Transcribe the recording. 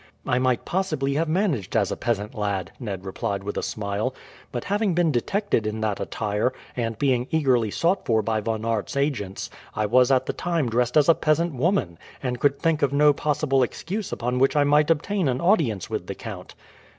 "I might possibly have managed as a peasant lad," Ned replied with a smile; "but having been detected in that attire, and being eagerly sought for by Von Aert's agents, I was at the time dressed as a peasant woman, and could think of no possible excuse upon which I might obtain an audience with the count."